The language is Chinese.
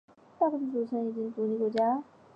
大部分组成部分已经成为独立国家。